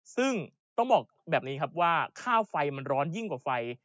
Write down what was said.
ซึ่งต้องบอกแบบนี้ครับว่าค่าไฟมันร้อนยิ่งกว่าไฟ